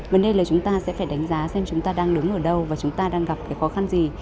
vấn đề là chúng ta sẽ phải đánh giá xem chúng ta đang đứng ở đâu và chúng ta đang gặp khó khăn gì